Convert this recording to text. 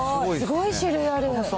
すごい種類ある。